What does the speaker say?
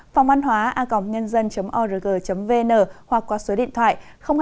phongvănhoa org vn hoặc qua số điện thoại hai mươi bốn ba mươi hai sáu trăm sáu mươi chín năm trăm linh tám